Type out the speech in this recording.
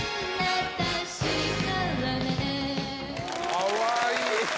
かわいい！